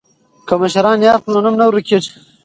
که مشران یاد کړو نو نوم نه ورکيږي.